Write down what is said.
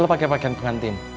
aku pakai pakaian pengantin